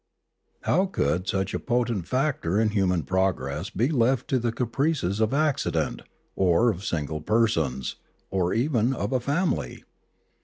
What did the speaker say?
How could such a potent factor in human progress be left to the caprices of accident, or of single persons, or even of a family